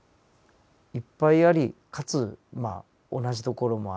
いっぱいありかつ同じところもあり。